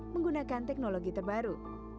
menggunakan teknologi terbaru